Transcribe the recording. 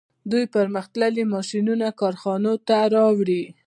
دوی پرمختللي ماشینونه کارخانو ته راوړي